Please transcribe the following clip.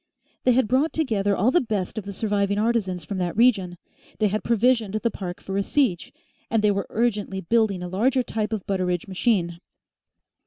They had brought together all the best of the surviving artisans from that region, they had provisioned the park for a siege, and they were urgently building a larger type of Butteridge machine.